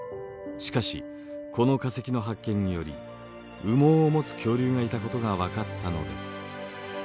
しかしこの化石の発見により羽毛を持つ恐竜がいたことが分かったのです。